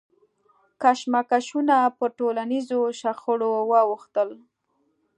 کشمکشونه پر ټولنیزو شخړو واوښتل.